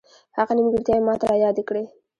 هغه نیمګړتیاوې ماته را یادې کړې.